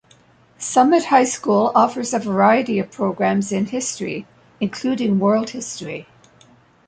Summit high school offers a variety of programs in history, including World History.